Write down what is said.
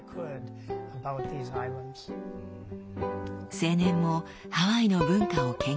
青年もハワイの文化を研究。